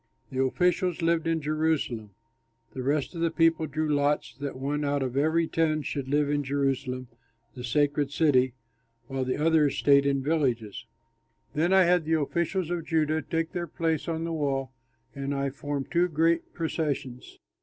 The officials lived in Jerusalem. The rest of the people drew lots that one out of every ten should live in Jerusalem, the sacred city, while the others stayed in the villages. Then I had the officials of Judah take their place on the wall, and I formed two great processions.